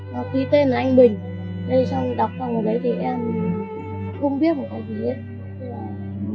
nó ghi tên là anh bình đây xong đọc xong rồi lấy thì em không biết một câu gì hết